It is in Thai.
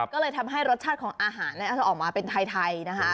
ก็เลยทำให้รสชาติของอาหารจะออกมาเป็นไทยนะคะ